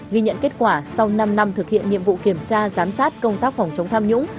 ghi nhận kết quả sau năm năm thực hiện nhiệm vụ kiểm tra giám sát công tác phòng chống tham nhũng